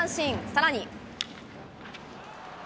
さらに。